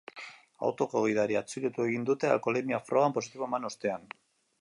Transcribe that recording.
Autoko gidaria atxilotu egin dute alkoholemia frogan positibo eman ostean.